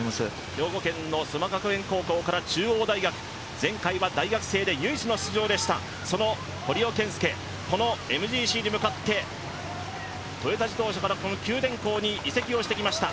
兵庫県の須磨学園高校から中央大学前回は大学生で唯一の出場でした、その堀尾謙介、このＭＧＣに向かって、トヨタ自動車からこの九電工に移籍をしてきました。